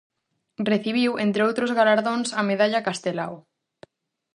Recibiu, entre outros galardóns, a Medalla Castelao.